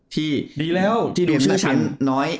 ที่เป็นชื่อชั้นน้อย